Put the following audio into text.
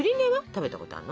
食べたことあるの？